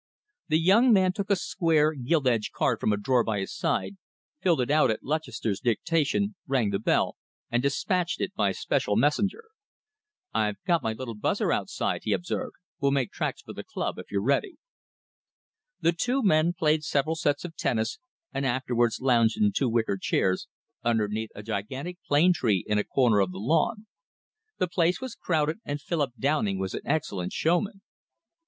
The young man took a square, gilt edged card from a drawer by his side, filled it out at Lutchester's dictation, rang the bell, and dispatched it by special messenger. "I've got my little buzzer outside," he observed. "We'll make tracks for the club, if you're ready." The two men played several sets of tennis and afterwards lounged in two wicker chairs, underneath a gigantic plane tree in a corner of the lawn. The place was crowded, and Philip Downing was an excellent showman.